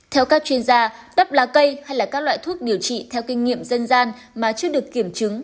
theo các chuyên gia tấp lá cây hay các loại thuốc điều trị theo kinh nghiệm dân gian mà chưa được kiểm chứng